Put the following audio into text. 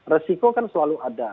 resiko kan selalu ada